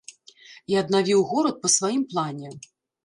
І аднавіў горад па сваім плане.